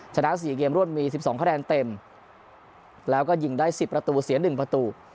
ชนะสี่เกมรวดมีสิบสองคะแดนเต็มแล้วก็ยิงได้สิบประตูเสียหนึ่งประตู